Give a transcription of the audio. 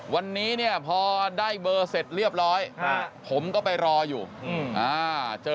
วันนี้เนี่ยพอได้เบอร์เสร็จเรียบร้อยผมก็ไปรออยู่อ่าเจอ